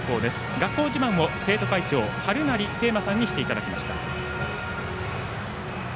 学校自慢を生徒会長春成惺真さんにしていただきました。